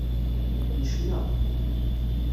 Necna.